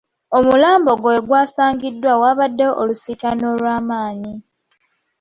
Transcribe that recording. Omulambo we gwasangiddwa waabaddewo olusiitaano olw’amanyi.